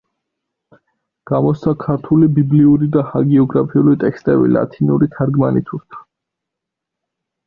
გამოსცა ქართული ბიბლიური და ჰაგიოგრაფიული ტექსტები ლათინური თარგმანითურთ.